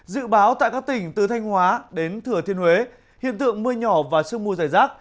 dự báo tại các tỉnh từ thanh hóa đến thừa thiên huế hiện tượng mưa nhỏ và sương mù dày rác